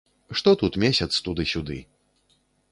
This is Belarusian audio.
Што тут месяц туды-сюды?